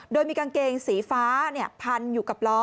โดยมีกางเกงสีฟ้าพันอยู่กับล้อ